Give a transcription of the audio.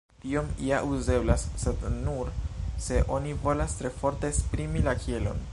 Tiom ja uzeblas, sed nur se oni volas tre forte esprimi la kielon.